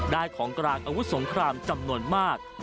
ได้ของกรางอวุศสงครามจำนวนมาก